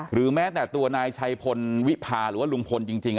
แม้แต่ตัวนายชัยพลวิพาหรือว่าลุงพลจริง